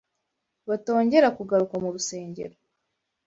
batongera kugaruka mu rusengero